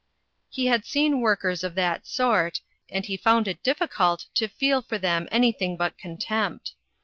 He had seen workers of that sort, arid he found it difficult to feel for them anything but contempt.